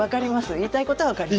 言いたいことは分かります。